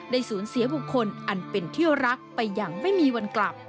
สูญเสียบุคคลอันเป็นเที่ยวรักไปอย่างไม่มีวันกลับ